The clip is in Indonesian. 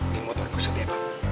di motor pesut ya pak